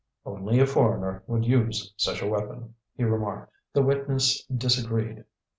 "Only a foreigner would use such a weapon," he remarked. The witness disagreed.